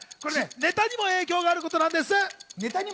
ネタにも影響があることなんです。